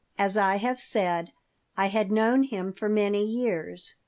As I have said, I had known him for many years.